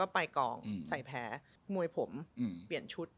ไปกองใส่แผลมวยผมเปลี่ยนชุด